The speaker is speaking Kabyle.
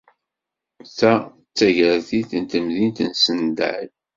Ta d tagertilt n temdint n Sendai.